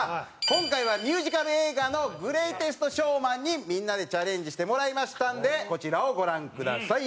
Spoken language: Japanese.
今回はミュージカル映画の『グレイテスト・ショーマン』にみんなでチャレンジしてもらいましたんでこちらをご覧ください。